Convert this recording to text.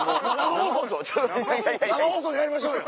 生放送でやりましょうよ。